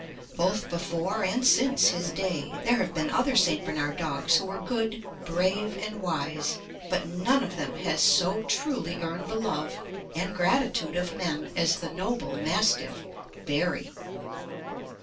Both before and since his day, there have been other St. Bernard dogs who were good, brave and wise, but none of them has so truly earned the love and grati tude of men as the noble mastiff, Barry.